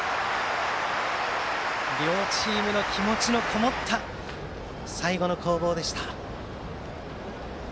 両チームの気持ちのこもった最後の攻防でした。